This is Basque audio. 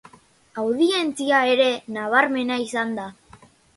Audientzia ere nabarmena izan da.